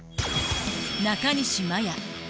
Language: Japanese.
中西麻耶。